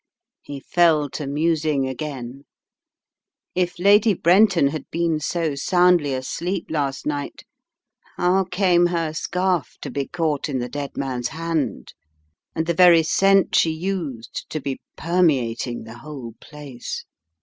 He fell to musing again. The Plot Thickens 167 If Lady Brenton had been so soundly asleep last night, how came her scarf to be caught in the dead man's hand and the very scent she used to be per meating the whole place?